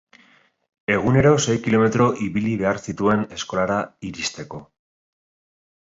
Egunero sei kilometro ibili behar zituen eskolara iristeko.